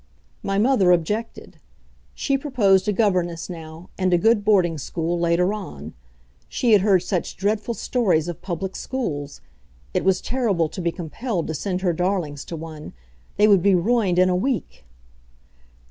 My mother objected. She proposed a governess now and a good boarding school later on. She had heard such dreadful stories of public schools! It was terrible to be compelled to send her darlings to one; they would be ruined in a week!